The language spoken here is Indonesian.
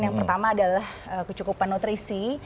yang pertama adalah kecukupan nutrisi